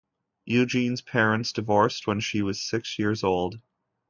Eugenie's parents divorced when she was six years old.